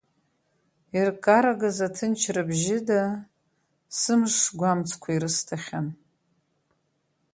Иркарагаз аҭынчра бжьыда, сымыш гәамҵқәа ирысҭахьан.